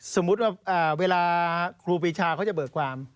สมมุติว่าเวลาครูปีชาเขาจะเบิกความ